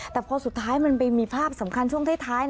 แต่พอสุดท้ายมันไปมีภาพสำคัญช่วงท้าย